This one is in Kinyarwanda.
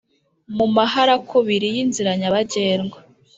mu maharakubiri y'inzira nyabagendwa